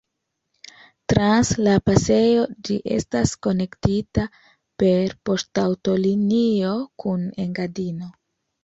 Trans la pasejo ĝi estas konektita per poŝtaŭtolinio kun Engadino.